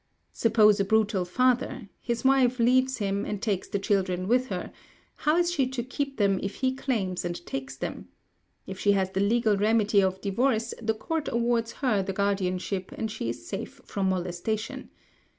Suppose a brutal father: his wife leaves him and takes the children with her; how is she to keep them if he claims and takes them? If she has the legal remedy of divorce, the Court awards her the guardianship and she is safe from molestation.